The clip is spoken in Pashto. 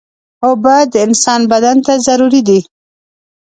اوبه د انسان بدن ته ضروري دي.